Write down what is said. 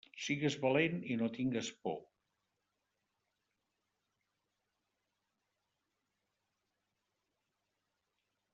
Sigues valent i no tingues por.